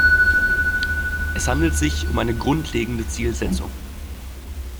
Es handelt sich um eine grundlegende Zielsetzung.